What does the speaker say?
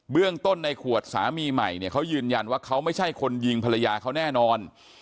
เรื่องต้นในขวดสามีใหม่เนี่ยเขายืนยันว่าเขาไม่ใช่คนยิงภรรยาเขาแน่นอน